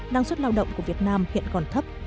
năng suất lao động của việt nam hiện còn thấp